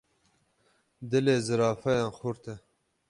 Dilê zirafayan xurt e.